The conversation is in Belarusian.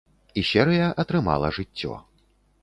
І серыя атрымала жыццё.